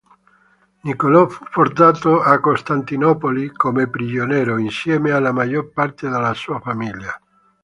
Niccolò fu portato a Costantinopoli come prigioniero, insieme alla maggior parte della sua famiglia.